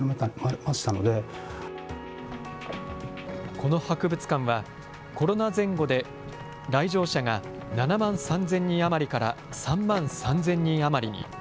この博物館は、コロナ前後で来場者が７万３０００人余りから３万３０００人余りに。